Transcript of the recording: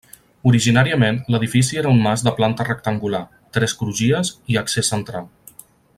Originàriament l'edifici era un mas de planta rectangular, tres crugies i accés central.